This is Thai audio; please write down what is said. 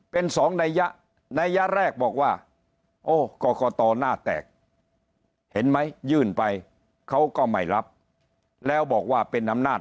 เป็นสองนัยยะนัยยะแรกบอกว่าโอ้กรกตหน้าแตกเห็นไหมยื่นไปเขาก็ไม่รับแล้วบอกว่าเป็นอำนาจ